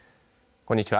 こんにちは。